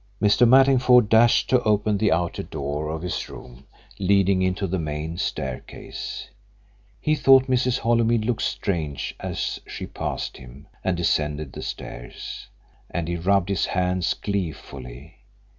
Mr. Mattingford dashed to open the outer door of his room leading into the main staircase. He thought Mrs. Holymead looked strange as she passed him and descended the stairs, and he rubbed his hands gleefully.